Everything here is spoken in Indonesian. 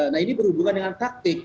nah ini berhubungan dengan praktik